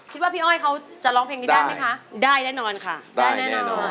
พี่อ้อยเขาจะร้องเพลงนี้ได้ไหมคะได้แน่นอนค่ะได้แน่นอน